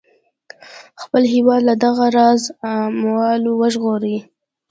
خپل هیواد له دغه راز اعمالو وژغوري.